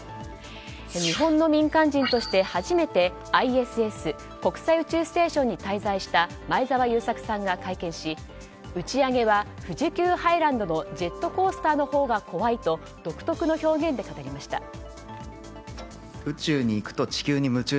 日本の民間人として初めてＩＳＳ・国際宇宙ステーションに滞在した前澤友作さんが会見し打ち上げは富士急ハイランドのジェットコースターのほうが怖いと独特の表現で語りました。